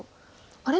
あれ？